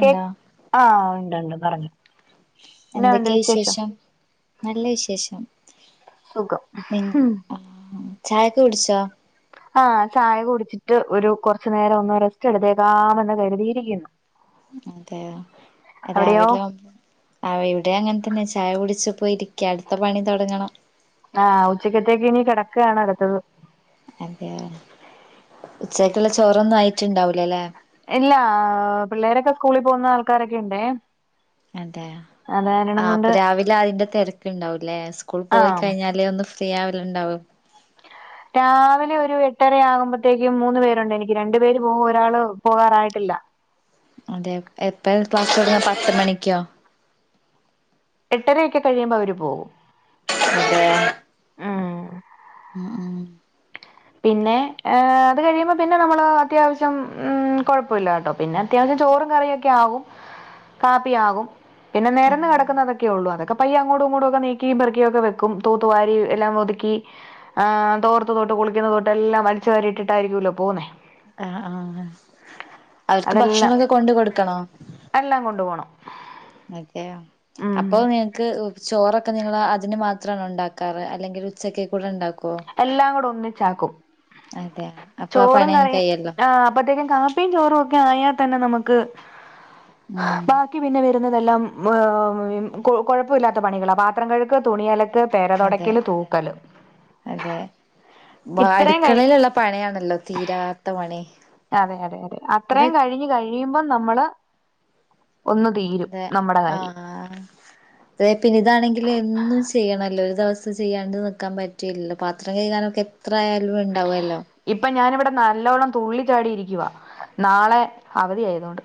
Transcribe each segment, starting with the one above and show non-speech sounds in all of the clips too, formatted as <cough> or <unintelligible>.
കേ ആഹ് ഉണ്ട്ണ്ട് പറഞ്ഞോ. എന്തൊക്കെ വിശേഷം? നല്ല വിശേഷം. സുഖം നിങ്ങ ഉം അഹ് ഉം ചായൊക്കെ കുടിച്ചോ? ആഹ് ചായ കുടിച്ചിട്ട് ഒരു കുറച്ചു നേരം ഒന്ന് റെസ്റ്റ് എടുത്തേക്കാമെന്ന് കരുതിയിരിക്കുന്നു.. അതെയൊ അവിടെയോ രാവിലെ ആവുമ്പം ആഹ് ഇവിടി അങ്ങൻ തന്നെ ചായ കുടിച്ചു ഇപ്പ ഇരിക്കാ അടുത്ത പണി തുടങ്ങണം. ആഹ് ഉച്ചക്കത്തേക്ക് ഇനി കെടക്കാണ് അടുത്തത്. അതെയ ഉച്ചക്ക്ള്ള ചോറൊന്നും ആയിട്ട്ണ്ടാവൂല ല്ലേ ഇല്ല പിള്ളേരൊക്കെ സ്കൂളിൽ പോകുന്ന ആൾക്കാരൊക്കെ ഉണ്ടെ. അതെ ആഹ് അപ്പൊ രാവിലെ അതിന്റെ തിരക്കുണ്ടാവുംല്ലേ സ്കൂൾ ആഹ് പോയിക്കഴിഞ്ഞാലേ ഒന്ന് ഫ്രീ ഫ്രീ ആവല് ഉണ്ടാവു രാവിലെ ഒരു എട്ടര ആകുമ്പത്തേക്കും മൂന്നു പേരുണ്ട് എനിക്ക് രണ്ടു പേര് പോകും ഒരാള് പോകാറായിട്ടില്ല. അതെ എപ്പഴ ക്ലാസ് തുടങ്ങാ പത്ത് മണിക്കോ? എട്ടരയൊക്കെ കഴിയുമ്പൊ അവര് പോകും. അതെ ഉം ഉം ഉം പിന്നെ അത് കഴിയുമ്പോ പിന്നെ നമ്മള് അത്യാവശ്യം ഉം കൊഴപ്പല്ല ട്ടോ പിന്നെ അത്യാവശ്യം ചോറും കറിയൊക്കെ ആകും കാപ്പിയ ആകും പിന്നെ ഉം നേരന്ന് കടക്കുന്നതൊക്കെ ഉള്ളു അതൊ ക്ക പയ്യ അങ്ങോട്ടും ഇങ്ങോട്ടും ഒക്കെ നീക്കിയും പെറുക്കിയൊക്കെ വെക്കും തൂത്തുവാരി എല്ലാം ഒതുക്കി ആ തോർത്ത് തൊട്ട് കുളിക്കുന്ന തൊട്ട് എല്ലാം വലിച്ചു വാരിയിട്ടിട്ടായിരിക്കൂല്ലോ പോകുന്നേ അഹ് ആഹ് അവർക്ക് ഭക്ഷണം അതെല്ലാം ഒക്കെ കൊണ്ട് കൊടുക്കണോ? എല്ലാം കൊണ്ടു പോണം. അതെയെ ഉം അപ്പൊ നിങ്ങക്ക് ചോറൊക്കെ നിങ്ങൾ അതിന് മാത്രാണോ ഉണ്ടാക്കാറ് അല്ലെങ്കിൽ ഉച്ചക്കേക്ക് കൂടെ ഉണ്ടാക്കുവോ? എല്ലാം കൂടെ ഒന്നിച്ചാക്കും. അതെയ ചോറും കറിം ആ അപ്പത്തേക്കും കാപ്പിയും ചോറും ഒക്കെ ആയാൽ തന്നെ നമുക്ക് ഉം ക്കി പിന്നെ വരുന്നതെല്ലാം കു കുഴപ്പല്ലാത്ത പണികളാ പാത്രം കഴുക തുണി അല ക്ക പെര അതെ തൊടക്കല് തൂക്കല് അതെ വാ ഇത്രയും കഴി അടുക്കളയിലുള്ള പണിയാണല്ലോ തീരാത്ത പണി അതെ അതെ അതെ അത്രയും കഴിഞ്ഞ് കഴി <unintelligible> ബം നമ്മള് ഒന്ന് തീരും നമ്മുടെ കാര്യം. തെ പിന്നെ ഇതാണെങ്കിൽ എന്നും ചെയ്യണല്ലോ ഒരു ദിവസം ചെയ്യാണ്ട് നിക്കാൻ പറ്റി ല്ലല്ലോ പാത്രം കഴുകാനൊക്കെ എത്രായാലും ഉണ്ടാവുല്ലോ ഇപ്പൊ ഞാനിവിടെ നല്ലോണ്ണം തുള്ളി ചാടി ഇരിക്കുവാ നാളെ അവധി ആയതുകൊണ്ട്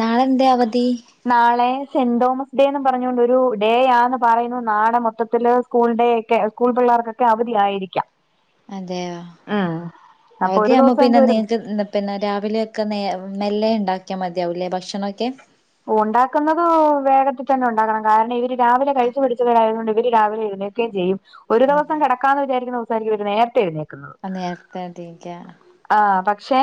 നാളെന്തേ അവധി നാളെ <unintelligible> തോമസ് ഡേന്നും പറഞ്ഞൊണ്ട് ഒരു ഡേ ആന്ന് പറയുന്നു നാട് മൊത്തത്തില് സ്കൂൾടെ ഒക്കെ സ്കൂൾ പിള്ളേർക്കൊക്കെ അവധിയയിരിക്കാം അതെയോ അപ്പൊ അവധി ഒരു ആകുമ്പോ ദിവസം പിന്നെ എങ്കിൽ ഒരു ദിവസം നിക്ക് <unintelligible> പിന്നെ രാവിലെയൊക്കെ നേ മെല്ല ഉണ്ടാക്കിയാൽ മതിയാവുംല്ലേ ഭക്ഷണം ഒക്കെ ഉണ്ടാക്കുന്നതോ വേഗത്തിൽ തന്നെ ഉണ്ടാക്കണം കാരണം ഇവര് രാവിലെ കഴിച്ചു പിടിച്ചവരായതുകൊണ്ട് ഇവര് രാവിലെ എഴുന്നേ ക്കെ ചെയ്യും ഒരു ദിവസം അതെ കെടക്കാന്ന് വിചാരിക്കുന്ന ദിവസായിരിക്കും ഇവര് നേരത്തെ എഴുന്നേക്കുന്നത് ആഹ് നേരത്തെ കണ്ടിരിക്ക ആഹ് പക്ഷേ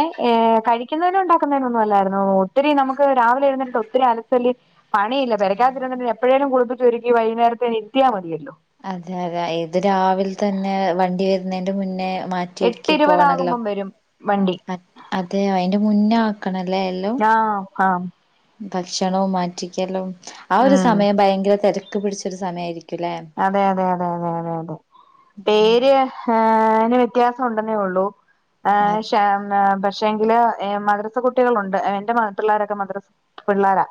കഴിക്കുന്നതിനും ഉണ്ടാക്കുന്നതിന് ഒന്നും അല്ലായിരുന്നു ഒത്തിരി നമുക്ക് രാവിലെ എഴുന്നേട്ട് ഒത്തിരി അ ല് പണിയില്ല പെരക്കാത്തിരണ്ടെ എപ്പഴേലും കൊടുത്തിട്ട് ഒരുക്കി വൈന്നേരത്തെ നി എത്തിയാൽ മതിയല്ലോ അതെ അതെ ഇത് രാവിൽ തന്നെ വണ്ടി വരുന്നേന്റെ മുന്നേ മാറ്റി എട്ട് ഒരുക്കി പോണല്ലോ ഇരുപതാകുമ്പം വരും വണ്ടി അഹ് അതെയ അയിൻ്റെ മുന്നേ ആക്കണം ല്ലേ എല്ലോം ആ ആ ഭക്ഷണവും മാറ്റിക്കലും ആ ഒരു ഉം സമയം ഭയങ്കര തിരക്ക് പിടിച്ചൊരു സമയയിരിക്കും അതെ അതെ അതെ അതെ അതെ അതെ പേര് ആന് വ്യത്യാസം ഉണ്ടെന്നേ ഉള്ളൂ അഹ് അതെ ശാ ആഹ് പക്ഷെങ്കില് മദ്രസ കുട്ടികളുണ്ട് എന്റെ മ പിള്ളേരൊക്കെ മദ്രസ പിള്ളേരാ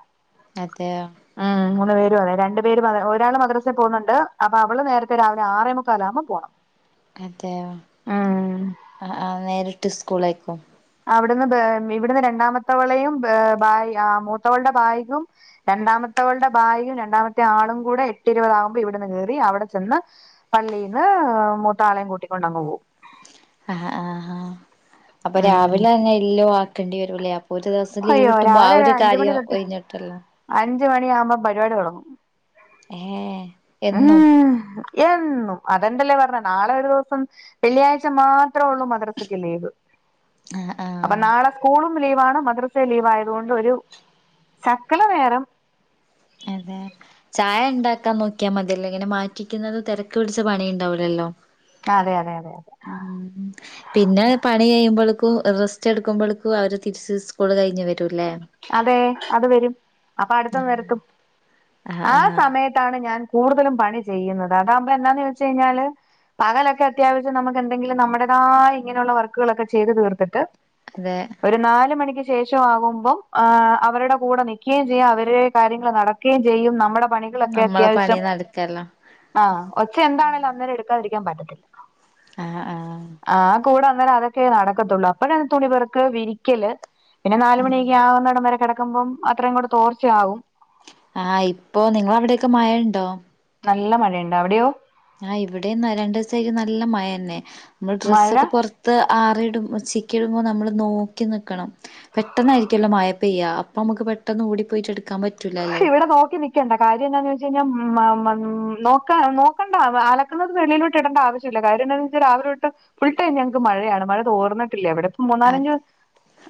അതെയോ ഉം മൂന്ന് പേരും അതെ രണ്ടു പേര് ഒരാള് മദ്രസൽ പോകുന്നുണ്ട് ണ്ട് അപ്പൊ അവള് നേരത്തെ രാവിലെ ആറേ മുക്കാലല്ലാവുമ്പോ പോണം അതെയോ ഉം ആ ആ നേരിട്ട് സ്കൂളേക്കും അവിടുന്ന് ബാ ഇവിടുന്ന് രണ്ടാമത്തവളെയും ബായി ആ മൂത്തവളുടെ ബായ്ഗും രണ്ടാമത്തെവളുടെ ബായ്ഗും രണ്ടാമത്തെ ആളും കൂടെ എട്ട് ഇരുപതാകുമ്പോ ഇവിടുന്ന് കയറി അവിടെ ചെന്ന് പള്ളീന്ന് മൂത്താളേം കൂട്ടിക്കൊണ്ടങ്ങ് പോവും ആഹ് ആഹ് ആഹ് അപ്പൊ ഉം രാവിലെന്നെ എല്ലോ ആക്കേണ്ടി വരൂല്ലേ ഒരു ദിവസം ലീവ് അയ്യോ കിട്ടുമ്പോ ആ ഒരു കാര്യം ഒഴിഞ്ഞിട്ടല്ലോ അഞ്ച മണി ആവുമ്പം പരിപാടി തുടങ്ങും ഏഹ് എന്നും ഉം എന്നും അതണ്ടല്ലേ പറഞ്ഞ നാളെ ഒരു ദിവസം വെള്ളിയാഴ്ച മാത്ര ഉള്ളൂ മദ്രസയ്ക്ക് ലീവ് ആഹ് ആഹ് അപ്പൊ നാളെ സ്കൂളും ലീവാണ് മദ്രസ ലീവ് ആയതു കൊണ്ട് ഒരു ശകല നേരം അതെ ചായ ഉണ്ടാക്കാൻ നോക്കിയാൽ മതിയല്ലോ ഇങ്ങനെ മാറ്റിക്കുന്നത് തിരക്ക് പിടിച്ച പണി ഉണ്ടാവിലല്ലോ അതെ അതെ അതെ ഉം പിന്നെ പണി കഴിയുമ്പളക്കും റസ്റ്റ് എടുക്കുമ്പളക്കും അവര് തിരിച്ച് സ്കൂള് കഴിഞ്ഞ് വരൂല്ലേ അതെ അത് വരും അപ്പൊ അടുത്തത് വരും ആഹ് ആ ആഹ് സമയത്താണ് ഞാൻ കൂടുതലും പണി ചെയ്യുന്നത് അതാകുമ്പോ എന്താന്ന് ചോയ്ച്ച് കഴിഞ്ഞാല് പകലൊക്കെ അത്യാവശ്യം നമുക്ക് എന്തെങ്കിലും നമ്മടേതായ ഇങ്ങനെയുള്ള വർക്കുകളൊക്കെ ചെയ്ത് തീർത്തിട്ട് അതെ ഒരു നാല് മണിക്ക് ശേഷം ആകുമ്പം ആഹ് അവരുടെ കൂടെ നിൽക്കുകയും ചെയ്യ അവരുടെ കാര്യങ്ങൾ നടക്കുകയും ചെയ്യും നമ്മുടെ പണികളൊക്കെ നമ്മളെ പണി അത്യാവശ്യം നടക്കല്ലോ ആഹ് ഒച്ച എന്താണേലും അന്നേരം എടുക്കാതിരിക്കാൻ പറ്റത്തില്ല ആഹ് ആഹ് ആഹ് കൂടെ അന്നേരം അതൊക്കെ നടക്കത്തുള്ളൂ അപ്പോ തുണി പെർക്കല് വിരിക്കല് പിന്നെ നാലുമണി <unintelligible> അന്നേരം കിടക്കുമ്പം അത്രയും കൂടെ തോർച്ചയാകും ആഹ് ഇപ്പോ നിങ്ങള അവിടെയൊക്കെ മഴ ഉണ്ടോ നല്ല മഴണ്ട് അവിടെയോ? ആഹ് ഇവിടെയും രണ്ട് ദിവസ ആയിട്ട് നല്ല മഴ തന്നെ നമ്മള് ഡ്രസ്സ് മഴ ഒക്കെ പൊറ ത്ത് ആറി ഇടുമ്പോ ചിക്കി ഇടുമ്പോ നമ്മൾ നോക്കി നിക്കണം പെട്ടെന്നായിരിക്കല്ലോ മഴ പെയ്യ അപ്പൊ നമുക്ക് പെട്ടെന്ന് ഓടി പോയിട്ട് എടുക്കാൻ പറ്റ ഇവിടെ നോക്കി നി ക്കണ്ട കാര്യം എന്താന്ന് വെചഴിഞ്ഞാ നോ നോക്കണ്ട അലക്കുന്നത് വെളിയിലോട്ടിടണ്ട <unintelligible> കാര്യന്താന്ന്ച്ചാൽ രാവിലൊട്ടെ ഫുൾ ടൈ ഞങ്ങക്ക് മഴയാണ് മഴ തോർന്നിട്ടില്ല ഇവിടെ. അതെ മൂന്നാലഞ്ചു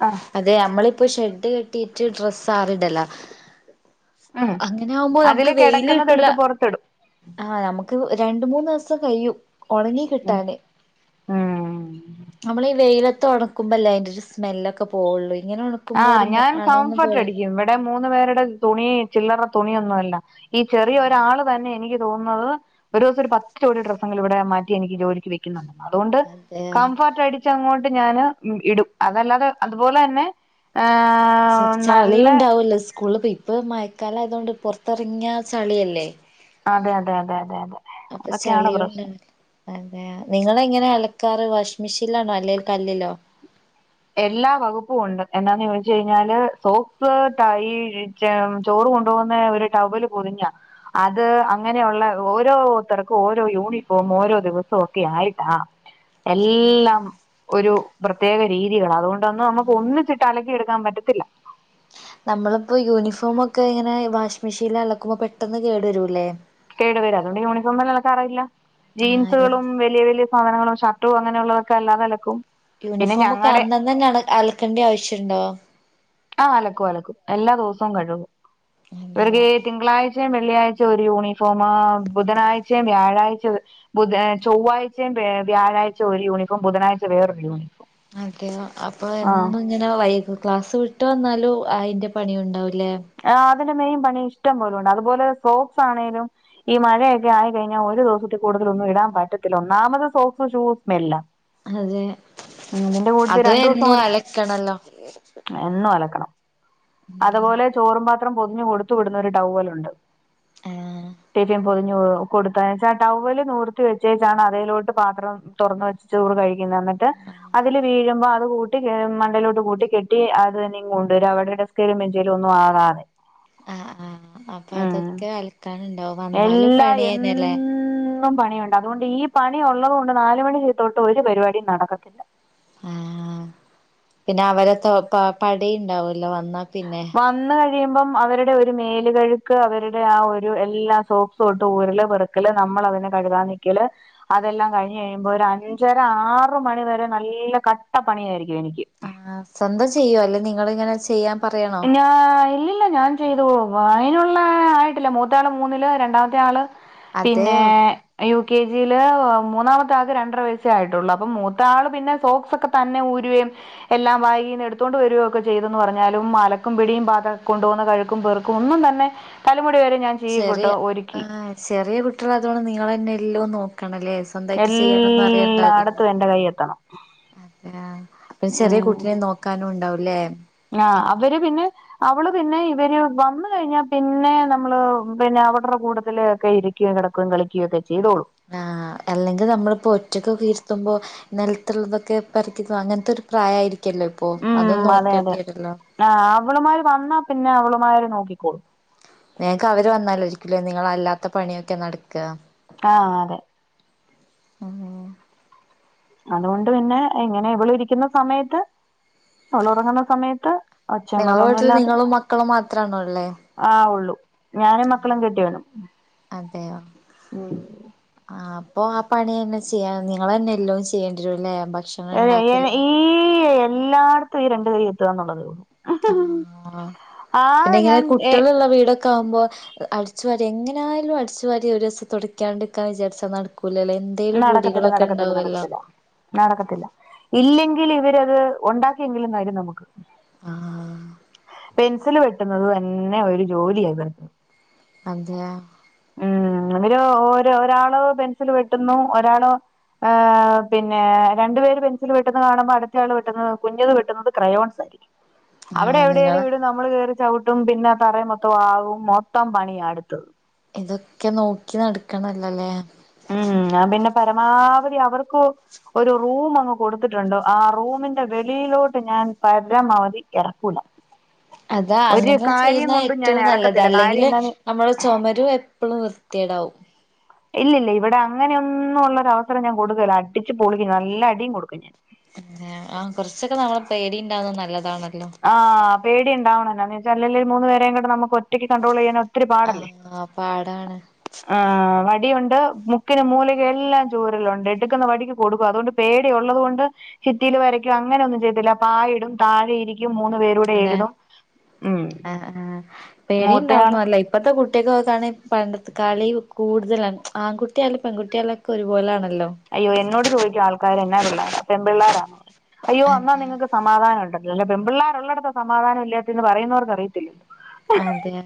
ആ അതെ നമ്മളിപ്പോ ഷെഡ് കെട്ടിട്ട് ഡ്രസ്സ് ആറിടലാ ഉം അങ്ങനെ ആകുമ്പോ അതില് നമുക്ക്- വെയില് കിടക്കുന്നത് കിട്ടൂല. എടുത്ത് പുറത്തിടും ആഹ നമുക്ക് രണ്ട്, മൂന്ന്- ദിവസം കഴിയും ഉണങ്ങി കിട്ടാന്. ഉം... നമ്മൾ ഈ വെയിലത്ത്- ഉണക്കുമ്പ അല്ല അയിന്റെ ഒരു- സ്മെല്ലൊക്കെ പോവുള്ളൂ ഇങ്ങനെ ഉണ- ആഹ് ഞാൻ കംഫർട്ട് അടിക്കും. ഇവിടെ മൂന്ന് പേരുടെ തുണി- ചില്ലറ തുണിയൊന്നുമല്ല ഈ- ചെറിയ ഒരാൾ. ന്നെ എനിക്ക് തോന്നുന്നത് ഒരു- ദിവസ ഒരു പത്ത് ജോടി- ഡ്രസെങ്കിലും ഇവിടെ മാറ്റി എനിക്ക് ജോലി. അതുകൊണ്ട് അതെയോ കംഫർട്ട്- അടിച്ചങ്ങോണ്ട് ഞാന് ഇടും. അതല്ലാതെ, അതുപോലെ തന്നെ. ഏഹ് നല്ല ചളിയുണ്ടാവല്ലോ, സ്കൂള് ഇ, ഇപ്പ മയക്കാലം ആയതോണ്ട്- പൊറത്തിറങ്ങിയ ചളിയല്ലേ? അതെ, അതെ, അതെ, അതെ, അതെ, അപ്പൊ അതൊക്കെയാണ് ചളിയുണ്ടാവ പ്രശ്നം. അതെ നിങ്ങളെങ്ങനെ- അലക്കാർ വാഷിംഗ്‌- മെഷീനിലാണോ? അല്ലെങ്കിൽ കല്ലിലോ? എല്ലാ വകുപ്പും ഉണ്ട്. എന്താന്ന് വച്ച് കഴിഞ്ഞാല് സോപ് കൈ- ചോറ് കൊണ്ടുപോകുന്നെ ഒരു- ടവെല് പൊതിഞ്ഞ. അത് അങ്ങനെയുള്ള- ഓരോരുത്തർക്കും ഓരോ- യൂണിഫോം ഓരോ ദിവസം ഒക്കെ- ആയിട്ടാ. <inaudible> എല്ലാം ഒരു പ്രത്യേക- രീതികള, അതുകൊണ്ടൊന്നു- നമുക്ക് ഒന്നിച്ചിട്ട്- അലക്കിയെടുക്കാൻ പറ്റത്തില്ല. നമ്മളിപ്പോ യൂണിഫോമൊക്കെ- ഇങ്ങനെ വാഷിംഗ് മെഷീനിൽ- അലക്കുമ്പോൾ പെട്ടെന്ന് കേടു- വരുല്ലേ? കേടു വരും, അതുകൊണ്ട്- യൂണിഫോം തന്നെ അലക്കാൻ- അറിയില്ല. ആഹ് യൂണി ജീൻസുകളും വലിയ, വലിയ- സാനങ്ങളും, ഷർട്ട്കളും, അങ്ങനെയുള്ളതൊക്കെ- അല്ലതലക്കും. യൂണിഫോമ് ഒക്കെ അന്നന്നെ- തന്നെ അലക്കേണ്ട- ആവശ്യണ്ടോ? ആഹ്‌, അലക്കും, അലക്കും, എല്ലാ ദിവസവും കഴുകും. ഇവർക്ക് അതെയോ തിങ്കളാഴ്ച. തിങ്കലാഴ്ച്ചയും, വെള്ളിയാഴ്ച- ഒരു യൂണിഫോം, ബുധനാഴ്ചയും വ്യാഴാഴ്ച ഓ- ബുധ, ചൊവ്വാഴ്ചയും, വ്യാഴാഴ്ച, ഒരു യൂണിഫോം. ബുധനാഴ്ച, വേറൊരു യൂണിഫോം. അതെയ അപ്പോ ആഹ് എന്ന്. ഇങ്ങനെ വൈക്കും. ക്ലാസ്സ് വിട്ട്- വന്നാലും അയിന്റെ പണി- ഇണ്ടാവൂല്ലേ? ആഹ്‌ അതിന്റെ മെയിൻ പണി- ഇഷ്ടം പോലുണ്ട്. അതുപോലെ- സോക്സ് ആണെലും. ഈ മഴയൊക്കെ ആയി- കഴിഞ്ഞാൽ ഒരു ദിവസത്തി- കൂടുതലൊന്നും ഇടാൻ പറ്റത്തില്ല. ഒന്നാമത് സോസ്, ഷൂസ് സ്മെല്ല. അതെ ഉം ഇവന്റെ കൂടുത്തെ അതും രണ്ടു- എന്നും ദിവസം. അലക്കണല്ലോ എന്നും അലക്കണം. അതുപോലെ ചോറും പാത്രം- പൊതിഞ്ഞ് കൊടുത്തു വിടുന്ന ഒരു- ടൗവലുണ്ട്. ആഹ് ടിഫിൻ - പൊതിഞ്ഞ് കൊടുത്ത് അയച്ച- ടൗവല് നൂർത്തി വെച്ചേച്ചാണ്- അതേലോട്ട് പാത്രം. തുറന്ന് വെച്ച് ചോറ് കഴിക്കുന്നെ- എന്നിട്ട് അതില് വീഴുമ്പോ അത് കൂ- കട്ട മണ്ടലോട്ട് കൂട്ടി കെട്ടി- അതന്നെ കൊണ്ടു വരും. അവരുടെ ടെസ്കേലും, ബെചേലും ഒന്നും ആവാതെ. ആഹ്‌ ആഹ്‌ അപ്പോ- അതൊക്കെ അൽക്കാനി- ഇണ്ടാവും. എല്ലാ എന്നും പണിയുണ്ട്. അതുകൊണ്ട് ഈ പണി ഉള്ളത്- കൊണ്ട് നാലു മണി തൊട്ട് ഒരു- പരിപാടി നടക്കത്തില്ല. ആഹ്‌ പിന്നെ അവരെ പടി- ഇണ്ടാവല്ലോ വന്നാ പിന്നെ. വന്ന് കഴിയുമ്പം അവരുടെ ഒരു- മേലുകഴുക്ക്, അവരുടെ ആ ഒരു എല്ലാ സോ- ഡ്രസ്സ്‌ ഉരല്, പെറുക്കല്, നമ്മള്- അതിനെ കഴുകാൻ നിക്കല്. അതെല്ലാം കഴിഞ്ഞ് കഴിയുമ്പോ- ഒരു അഞ്ചര, ആറ് മണിവരെ- നല്ല കട്ടപ്പണിയായിരിക്കും എനിക്ക്. ആഹ്‌ സ്വന്തം ചെയ്യുവോ? അല്ലെ നിങ്ങളിങ്ങനെ ചെയ്യാൻ- പറയണോ? ഇല്ലില്ല ഞാൻ ചെയ്തോളു. അതിനുള്ള ആയിട്ടില്ല. മൂത്ത ആൾ മൂന്നിൽ, രണ്ടാമത്തെ ആൾ- പിന്നെ. അതെയോ യു. കെ. ജി യില്, മൂന്നാമത്തെ- ആക് രണ്ടര വയസ്സേ ആയിട്ടുള്ളൂ. അപ്പം മൂത്ത ആള് പിന്നെ സോക്സ് ഒക്കെ, തന്നെ ഊരുവയും എല്ലാം ബാഗീന്ന് എടുത്തോണ്ട് വരികയും ഒക്കെ ചെയ്തെന്ന് പറഞ്ഞാലും അലക്കും, പിടിം പാത്രം കൊണ്ടു പോവുന്ന കഴുക്കും, പെർക്കും, ഒന്നും തന്നെ തലമുടി വരെ ഞാൻ ചീവി കൊട്ട് ചെറിയ ഒരുക്കി ആഹ് ചെറിയ കുട്ടിയളായതോണ്ട് നിങ്ങളന്നെ എല്ലോ നോക്കണല്ലേ? സ്വന്തായിട്ട് ചെയ്യാനൊന്നും അറിയല്ണ്ടാവൂല്ലല്ലേ എല്ലായിടത്തും എന്റെ കൈ എത്തണം അപ്പം ചെറിയ കുട്ടിനെ നോക്കാനുണ്ടാവൂല്ലേ? ങ്ങാ അവര് പിന്നെ അവള് പിന്നെ ഇവര് വന്ന് കഴിഞ്ഞാ പിന്നെ നമ്മള് പിന്നെ അവര്ടെ കൂടത്തിലൊക്കെ ഇരിക്കും കെടക്കേം, കളിക്കയെക്കെ ചെയ്തോളും ആഹ് അല്ലെങ്കിൽ നമ്മളിപ്പൊ ഒറ്റക്കൊക്കെ ഇര്ത്തുമ്പോ നെലത്തുള്ളതൊക്കെ പെർക്കി തിന്ന് അങ്ങനത്തൊരു പ്രായായിരിക്കല്ലോ ഇപ്പോ അതും ഉം അതെ അതെ നോക്കേണ്ടി വരുല്ലോ ഇപ്പൊ ആഹ് അവളുമാര് വന്നാ പിന്നെ അവളുമാര് നോക്കിക്കോളും നിങ്ങക്ക് അവര് വന്നാലായ്രിക്കലോ നിങ്ങളെല്ലാത്ത പണിയൊക്കെ നടക്ക? ആഹ് അതെ അതുകൊണ്ട് പിന്നെ ഇങ്ങനെ ഇവള് രിക്കുന്ന സമയത്ത് അവളൊറങ്ങുന്ന സമയത്ത് ഒച്ചയും നിങ്ങളെ ബഹളൊന്നും വീട്ടില് ഇല്ലാതെ നിങ്ങളും മക്കളും മാത്രാണോ ഉള്ളേ? ആഹ് ഒള്ളൂ ഞാനും, മക്കളും, കെട്ടിയോനും ആഹ് അപ്പൊ ആ പണി തന്നെ ചെയ്യാ നിങ്ങളെന്നെ എല്ലോം ചെയ്യേണ്ടി വെരുംല്ലേ ഭക്ഷണണ്ടാക്കലും ഈ എല്ലായിടത്തും ഈ രണ്ടു കൈ എത്തുകാന്ന്ള്ളതേയൊള്ളു ആഹ് പിന്നെങ്ങനെ ഞാൻ ഏ കുട്ടികള് ള്ള വീടൊക്കാവുമ്പോ അടിച്ചുവാരി എങ്ങനായാലും അടിച്ചു വാരി ഒരു ദിവസം തൊടക്കാണ്ടരിക്കാന്ന് വിചാരിച്ചാ നടക്കൂലല്ലേ? നടക്കത്തില്ല നടക്കത്തില്ല നടക്കത്തില്ല നടക്കത്തില്ല ഇല്ലെങ്കിലിവരത് ഉണ്ടാക്കിയെങ്കിലും തരും നമുക്ക് ആഹ് പെൻസില് വെട്ടുന്നത് തന്നെ ഒരു ജോലിയാ ഇവർക്ക് അതെ ഉം ഇവര് ഓര് ഒരാള് പെൻസില് വെട്ടുന്നു ഒരാള് ആഹ് പിന്നെ രണ്ടു പേര് പെൻസില് വെട്ടുന്ന കാണുമ്പോ അടുത്തയാള് വെട്ടുന്നു കുഞ്ഞത് വെട്ടുന്നത് ക്രയോൺസായിരിക്കും അവിടെ ആ എവിടേലും നിങ്ങള് ഇട നമ്മള് കയറി ചവിട്ടും പിന്നെ തറേ മൊത്തം ആവും മൊത്തം പണിയാ അടുത്തത് ഇതൊക്കെ നോക്കി നട്ക്കണല്ലോല്ലേ? ഉം ഞാ പിന്നെ പരമാവധി അവർക്ക് ഒരു റൂമങ്ങ് കൊടുത്തിട്ടുണ്ട് ആ റൂമിന്റെ വെളിയിലോട്ട് ഞാൻ പരമാവധി എറക്കുല അതാ അങ്ങനെ ചെയ്യുന്ന കൊണ്ടും ഞാൻ ഏറ്റവും നല്ലത് ഇറക്കത്തില്ല കാര്യം അല്ലെങ്കില് എന്താന്ന് നമ്മള് ചൊമര് എ പ്പളും വൃത്തിയേടാവും ഇല്ല ഇല്ല ഇവിടെ അങ്ങനെയൊന്നും ഉള്ളരവസരം ഞാൻ കൊടുക്കല്ല അടിച്ച് പൊളിക്കും ഞാൻ നല്ല അടിയും കൊടുക്കും ഞാൻ ആഹ് കൊറച്ചൊക്കെ നമ്മളെ പേടിയിണ്ടാവുന്നെ നല്ലതാണല്ലോ ആഹ് പേടിയിണ്ടാവണം എന്ന് വെച്ചാ അല്ലേൽ ഈ മൂന്ന് പേരേം കൂടെ നമുക്ക് ഒറ്റക്ക് കട്രോൾ ചെയ്യാൻ ഒത്തിരി പാടല്ലേ ആഹ് പാടാണ് ആഹ് വടിയുണ്ട് മുക്കിന് മൂലക്കുയെല്ലാം ചൂരലുണ്ട് എടുക്കുന്ന വടിക്ക് കൊടുക്കും അതുകൊണ്ട് പേടിയൊള്ളത് കൊണ്ട് ചിറ്റില് വരക്കും അങ്ങനൊന്നും ചെയ്ത്തില്ല പായിടും താഴെ ഇരിക്കും മൂന്ന് പേരും അതെ ആഹ് ആഹ് പേടിയുണ്ടാവുന്നത് മൂത്തയാള് നല്ലാ ഇപ്പത്തെ കുട്ടിയക്ക് നോക്കാണെ പണ്ടത്തെ കളി കൂടുതലാണ് ആൺകുട്ടിയാലും പെൺകുട്ടിയാലും ഒക്കെ ഒരുപോലൊണല്ലോ അയ്യോ എന്നോട് ചോയ്ക്കും ആൾക്കാര് എന്നാ പിള്ളോരാ? അപ്പൊ പെൺ പിള്ളോരാന്നോ അയ്യോ എന്നാ അതെ നിങ്ങക്ക് സമാധാനവുണ്ടല്ല അല്ലെ പെൺപിള്ളേരുള്ളടത്ത സമാധംവില്ലാത്തേന്ന് പറയുന്നവർക്ക് അയിത്തില്ലല്ലോ അതെയ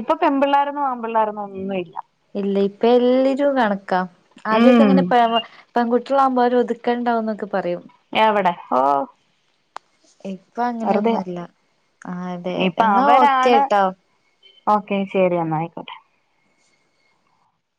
ഇപ്പൊ പെൺപിള്ളേരന്നും ആമ്പിള്ളേരൊന്നും ഒന്നും ഇല്ല ഇല്ല ഇപ്പ എല്ലജും കണക്കാ ആദ്യൊക്കെ ഉം ഇങ്ങനെ പേ പൺ കു ട്ടികൾ ആവുമ്പോ ഒരു ഒതുക്കണ്ടാവും എന്നൊക്കെ പറയും എവിടെ ഓഹ് ഇപ്പൊ അങ്ങനെയൊന്നുല്ല ആഹ് അതെ ഇപ്പൊ എന്നാ അവരാണ് ഓക്കെട്ടോ ഓക്കെ ശരി എന്നാ ആയിക്കോട്ടെ